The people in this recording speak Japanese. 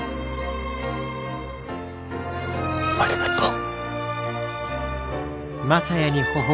ありがとう。